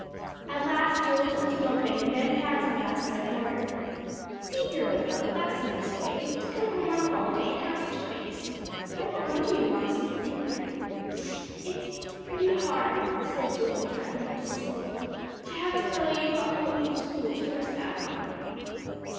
At last Joel took to moping, and Ben found him thus in a corner. "See here, old fellow, that's a nice way, to come home on a holiday, and have such a face. I don't wonder you want to sneak in here." "It's pretty hard," said Joel, trying not to sniffle, "to have a fellow you bring home from school turn his back on you."